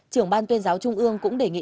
trưởng ban tuyên giáo trung ương cũng đề nghị